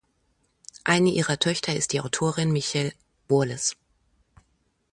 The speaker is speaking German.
Eine ihrer Töchter ist die Autorin Michele Wallace.